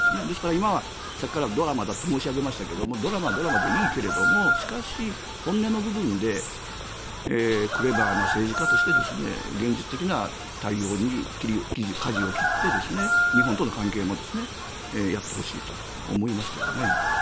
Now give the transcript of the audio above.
ですから今はさっきからドラマだと申し上げましたがドラマ、ドラマでいいけれどもしかし、本音の部分でクレバーな政治家として現実的な対応にかじを切って日本との関係もやってほしいと思いますけど。